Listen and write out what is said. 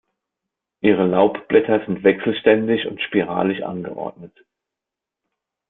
Ihre Laubblätter sind wechselständig und spiralig angeordnet.